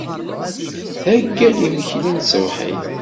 Theyya-d imekli n tṣebḥit.